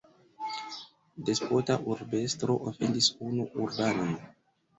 Despota urbestro ofendis unu urbanon.